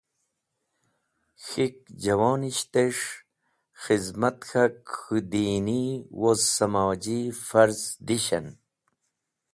K̃hik Javonishtes̃h Khizmat k̃hak k̃hu Dini woz samoji Farz dishẽn.